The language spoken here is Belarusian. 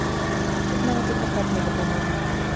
Тут нават адвакат не дапаможа.